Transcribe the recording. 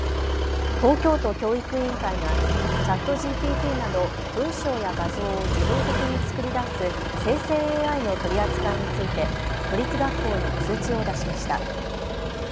東京都教育委員会がＣｈａｔＧＰＴなど文章や画像を自動的に作り出す生成ＡＩの取り扱いについて都立学校に通知を出しました。